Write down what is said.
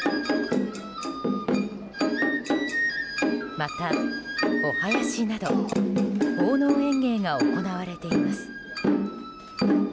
また、おはやしなど奉納演芸が行われています。